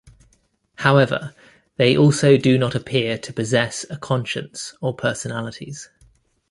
However, they also do not appear to possess a conscience or personalities.